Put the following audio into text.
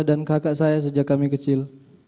dan kakak saya sejak kami kecil